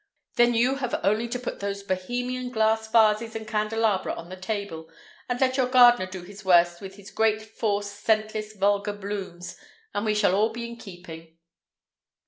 Then you have only to put those Bohemian glass vases and candelabra on the table, and let your gardener do his worst with his great forced, scentless, vulgar blooms, and we shall all be in keeping."